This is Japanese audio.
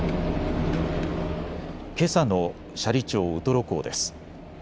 けさの斜里町ウトロ港です。